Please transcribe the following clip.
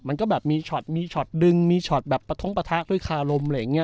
มันก็แบบมีช็อตมีช็อตดึงมีช็อตแบบประท้งประทะด้วยคารมอะไรอย่างนี้